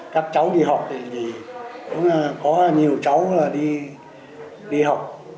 các cháu đi học thì cũng có nhiều cháu là đi học